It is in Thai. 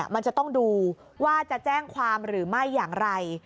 มันจะต้องดูว่าจะแจ้งความหรือไม่อย่างไร